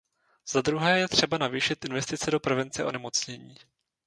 Za druhé je třeba navýšit investice do prevence onemocnění.